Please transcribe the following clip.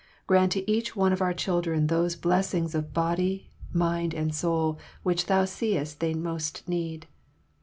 Grant to each one of our children those blessings of body, mind, and soul which Thou seest they most need.